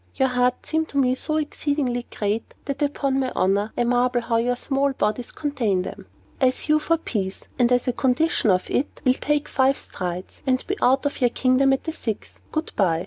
Your hearts seem to me so exceedingly great, that, upon my honor, I marvel how your small bodies can contain them. I sue for peace, and, as a condition of it, will take five strides, and be out of your kingdom at the sixth. Good bye.